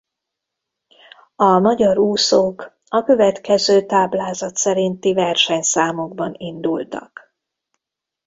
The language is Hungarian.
A magyar úszók a következő táblázat szerinti versenyszámokban indultak.